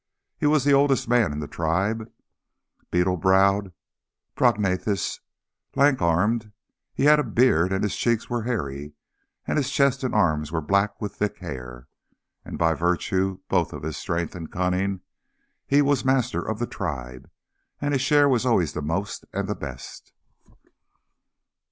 He was the oldest man in the tribe, beetle browed, prognathous, lank armed; he had a beard and his cheeks were hairy, and his chest and arms were black with thick hair. And by virtue both of his strength and cunning he was master of the tribe, and his share was always the most and the best.